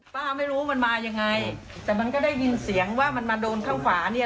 ป้าไม่รู้มันมายังไงแต่มันก็ได้ยินเสียงว่ามันมาโดนข้างฝาเนี่ย